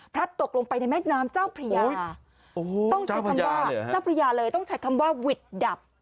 พระตกลงไปในแม่น้ำเจ้าพระยาต้องใช้คำว่าวิดดับ